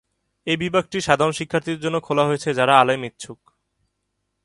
এই বিভাগটি সাধারণ শিক্ষার্থীদের জন্য খোলা হয়েছে যারা আলেম ইচ্ছুক।